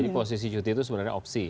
jadi posisi cuti itu sebenarnya opsi